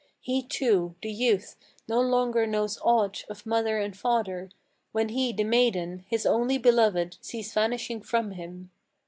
He too, the youth, no longer knows aught of mother and father, When he the maiden, his only beloved, sees vanishing from him.